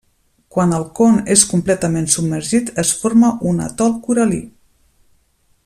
Quan el con és completament submergit es forma un atol coral·lí.